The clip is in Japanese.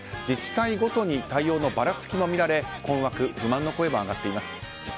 自治体ごとに対応のばらつきも見られ困惑、不安の声も上がっています。